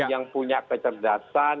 yang punya kecerdasan